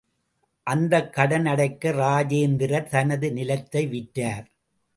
அந்தக் கடன் அடைக்க இராஜேந்திரர் தனது நிலத்தை விற்றார்.